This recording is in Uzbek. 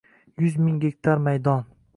Yuz ming gektar maydon